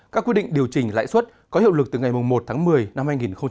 các quy định điều chỉnh lãi suất có hiệu lực từ ngày một tháng một mươi năm hai nghìn hai mươi